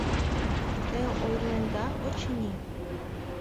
— Те ойырленда, очыни.